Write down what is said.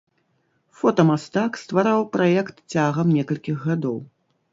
Фотамастак ствараў праект цягам некалькіх гадоў.